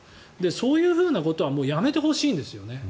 そういうことはもうやめてほしいんですよね。